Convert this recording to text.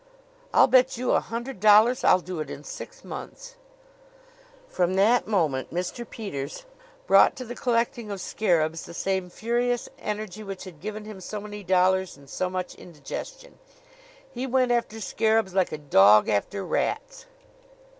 "I'll bet you a hundred dollars I'll do it in six months!" From that moment Mr. Peters brought to the collecting of scarabs the same furious energy which had given him so many dollars and so much indigestion. He went after scarabs like a dog after rats.